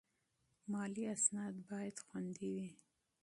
مالي اسناد باید خوندي وي.